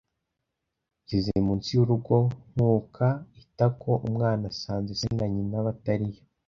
Ngeze munsi y'urugo nkuka itako-Umwana usanze se na nyina batariyo.